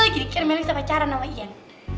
jadi kira meli mau pacaran sama ian